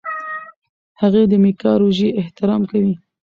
هغې د میکا روژې احترام کوي.